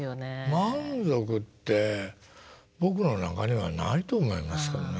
満足って僕の中にはないと思いますけどね。